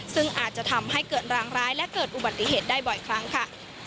ซึ่งอาจจะทำให้เกิดรางร้ายและเกิดอุบัติเหตุได้บ่อยครั้งค่ะ